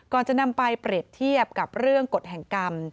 จะนำไปเปรียบเทียบกับเรื่องกฎแห่งกรรม